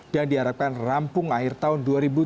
dan diharapkan rampung akhir tahun dua ribu delapan belas